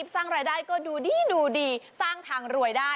ผ่านมาเสือกครึ่งทางแล้ว